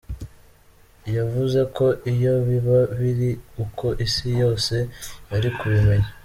Yavuze ko iyo biba biri uko, isi yose yari kubimenya.